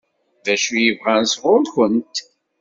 D acu i bɣan sɣur-kent?